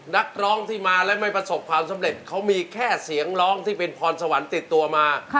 นักร้องที่มาและไม่ประสบความสำเร็จเขามีแค่เสียงร้องที่เป็นพรสวรรค์ติดตัวมา